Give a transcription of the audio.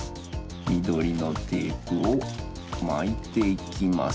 みどりのテープをまいていきます。